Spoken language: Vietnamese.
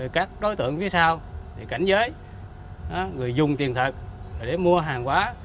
các đối tượng phía sau cảnh giới người dùng tiền thật để mua hàng quá